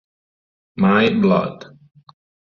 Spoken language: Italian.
My Blood